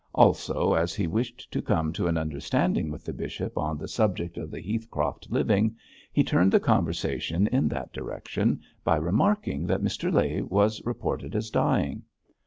Also, as he wished to come to an understanding with the bishop on the subject of the Heathcroft living, he turned the conversation in that direction by remarking that Mr Leigh was reported as dying.